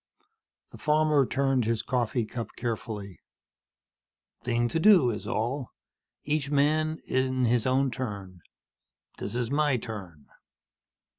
The farmer turned his coffee cup carefully. "Thing to do, is all. Each man in his own turn. This is my turn."